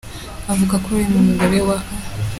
Avuga ko Remy umugore wa A.